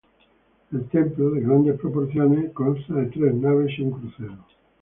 El templo, de grandes proporciones, consta de tres naves y crucero.